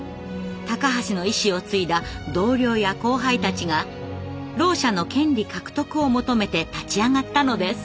高橋の意思を継いだ同僚や後輩たちがろう者の権利獲得を求めて立ち上がったのです。